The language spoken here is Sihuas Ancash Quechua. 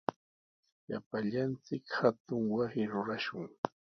Llapallanchik hatun wasi rurashun.